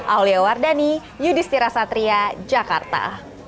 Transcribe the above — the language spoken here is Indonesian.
aulia wardani yudhistira satria jakarta